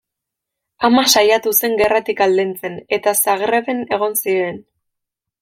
Ama saiatu zen gerratik aldentzen eta Zagreben egon ziren.